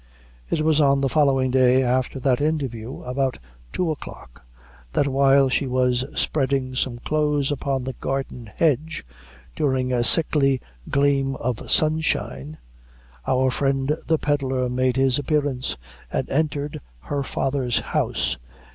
It was on the following day after that interview, about two o'clock, that while she was spreading some clothes upon the garden hedge, during a sickly gleam of sunshine, our friend the pedlar made his appearance, and entered her father's house.